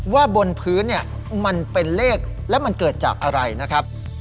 ว่าบนพื้นมันเป็นเลขแล้วมันเกิดจากอะไรนะครับ